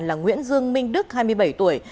là nguyễn dương minh đức hai mươi bảy tuổi